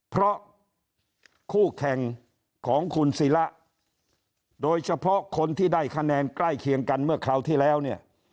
เพราะคู่แข่งของคุณศิละโดยเฉพาะคนที่ได้คะแนนใกล้เคียงกันเมื่อคราวที่แล้วเนี่ย